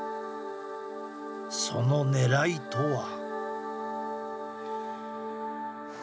その狙いとは？